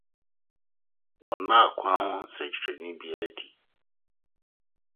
Ɔnna nkwa ho sɛnkyerɛnne biara adi.